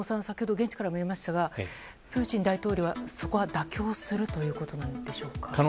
先ほど現地からもありましたがプーチン大統領はそこは妥協するということなのでしょうか？